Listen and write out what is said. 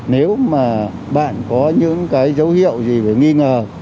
nếu mà bạn có những cái dấu hiệu gì về nghi ngờ